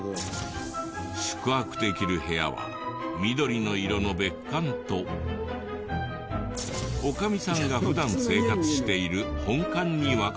宿泊できる部屋は緑の色の別館と女将さんが普段生活している本館に分かれているそうで。